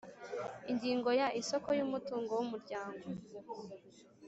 Ingingo ya isoko y umutungo w umuryango